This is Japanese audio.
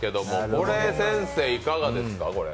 これ、先生、いかがですか？